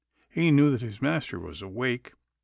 He knew that his master was awake.